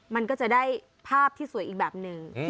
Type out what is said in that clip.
มันก็จะได้ภาพที่สวยอีกแบบหนึ่ง